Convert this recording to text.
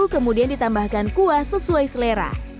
kemudian ditambahkan kuah sesuai selera